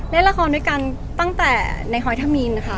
เล่นละครด้วยกันตั้งแต่ในฮอยทามีนค่ะ